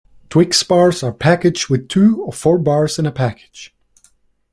Twix bars are packaged with two or four bars in a package.